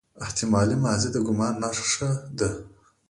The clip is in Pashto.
احتمالي ماضي د ګومان نخښه ده.